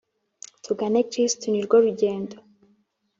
tugane kristu ni rwo rugendo